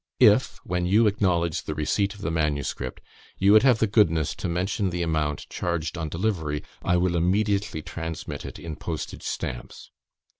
If, when you acknowledge the receipt of the MS., you would have the goodness to mention the amount charged on delivery, I will immediately transmit it in postage stamps.